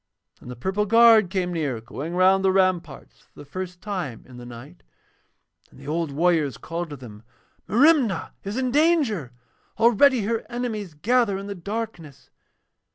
Then the purple guard came near, going round the ramparts for the first time in the night, and the old warriors called to them, 'Merimna is in danger! Already her enemies gather in the darkness.'